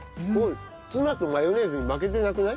ツナとマヨネーズに負けてなくない？